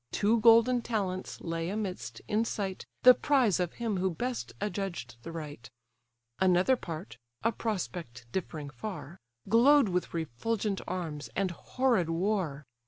Two golden talents lay amidst, in sight, The prize of him who best adjudged the right. Another part (a prospect differing far) Glow'd with refulgent arms, and horrid war.